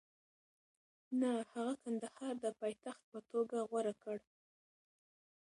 نه، هغه کندهار د پایتخت په توګه غوره کړ.